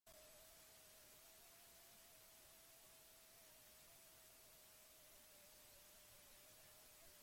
Euskararen ezagutza baino askoz ere mantsoago handitzen ari da erabilera.